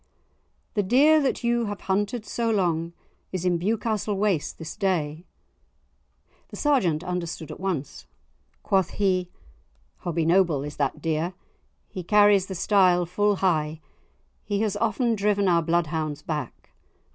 "The deer that you have hunted so long, is in Bewcastle Waste this day." The Sergeant understood at once. Quoth he, "Hobbie Noble is that deer! He carries the style full high. He has often driven our bloodhounds back.